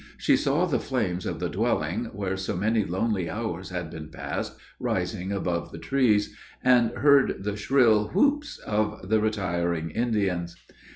She saw the flames of the dwelling, where so many lonely hours had been passed, rising above the trees, and heard the shrill "whoops" of the retiring Indians.